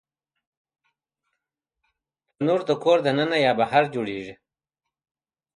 تنور د کور دننه یا بهر جوړېږي